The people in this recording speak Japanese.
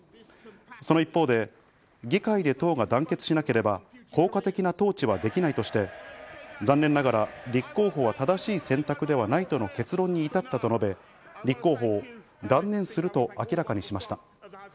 その一方で議会で党が団結しなければ効果的な統治はできないとして、残念ながら立候補は正しい選択ではないとの結論に至ったと述べ、立候補を断念すると明らかにしました。